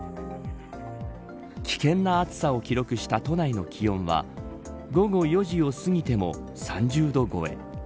危険な暑さを記録した都内の気温は午後４時を過ぎても３０度超え。